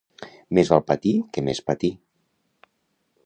Més val patir que més patir.